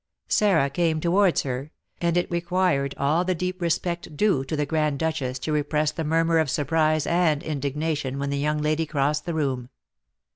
Sarah came towards her, and it required all the deep respect due to the Grand Duchess to repress the murmur of surprise and indignation when the young lady crossed the room.